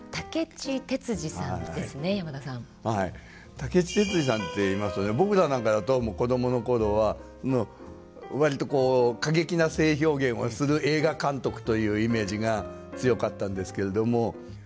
武智鉄二さんっていいますとね僕らなんかだと子どもの頃は割と過激な性表現をする映画監督というイメージが強かったんですけれども。